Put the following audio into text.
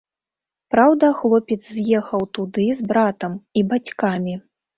Праўда, хлопец з'ехаў туды з братам і бацькамі.